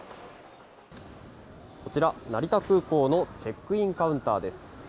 成田空港のチェックインカウンターです。